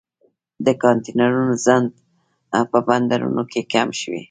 د کانټینرونو ځنډ په بندرونو کې کم شوی